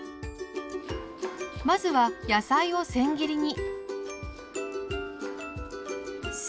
まずは野菜をせん切りに。